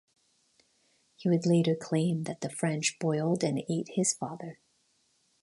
He would later claim that the French boiled and ate his father.